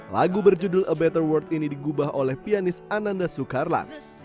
lagu berjudul a better world ini digubah oleh pianis ananda soekarlan